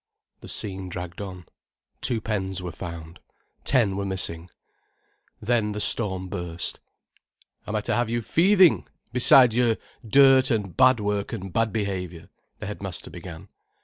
The scene dragged on. Two pens were found: ten were missing. Then the storm burst. "Am I to have you thieving, besides your dirt and bad work and bad behaviour?" the headmaster began.